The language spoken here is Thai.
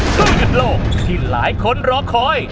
ก็หยุดโลกที่หลายคนรอคอย